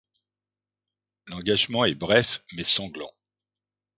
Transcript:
L'engagement est bref mais sanglant.